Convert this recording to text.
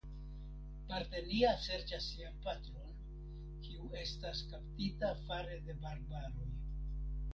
Partenia serĉas sian patron kiu estas kaptita fare de barbaroj.